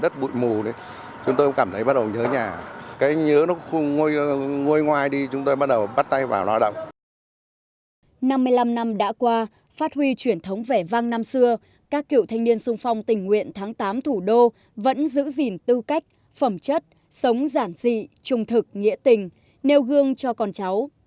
trong truyền thống vẻ vang năm xưa các kiểu thanh niên sung phong tình nguyện tháng tám thủ đô vẫn giữ gìn tư cách phẩm chất sống giản dị trung thực nghĩa tình nêu gương cho con cháu